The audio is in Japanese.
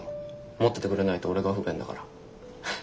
持っててくれないと俺が不便だから。